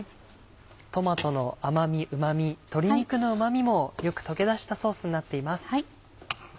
トマトの甘みうま味鶏肉のうま味もよく溶け出したソースになっています。